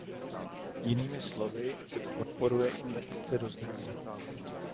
Jinými slovy, podporuje investice do zdraví.